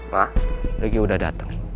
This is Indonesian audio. ma lagi udah dateng